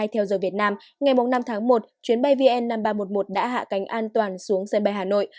theo giờ việt nam ngày năm tháng một chuyến bay vn năm nghìn ba trăm một mươi một đã hạ cánh an toàn xuống sân bay hà nội